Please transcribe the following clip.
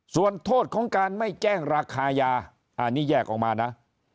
ส่วนโทษของการไม่แจ้งราคายาอันนี้แยกออกมานะ